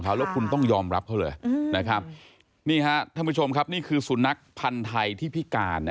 เอารูปตัวเองไปห้อยให้กับน้องหมาอย่างนี้นะใช่ถูกต้อง